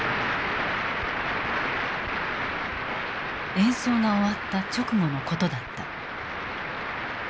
演奏が終わった直後のことだった。